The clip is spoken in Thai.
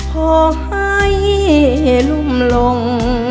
ขอให้รุ่มลง